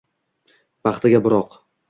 baxtiga biroq